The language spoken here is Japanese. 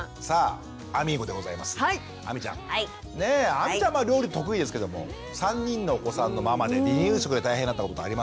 亜美ちゃんまあ料理得意ですけども３人のお子さんのママで離乳食で大変だったことはありますか？